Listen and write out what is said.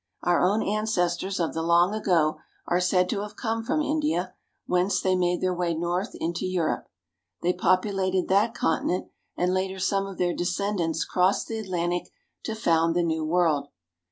Our own ancestors of the long ago are said to have come from India; whence they made their way north into Europe. They populated that continent, and later some of their descendants crossed the Atlantic to found the New World.